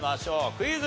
クイズ。